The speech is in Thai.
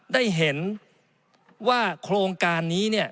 ได้เห็นว่าโครงการนี้